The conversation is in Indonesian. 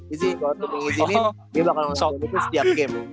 izzy kalau temennya izinin dia bakal nge sok itu setiap game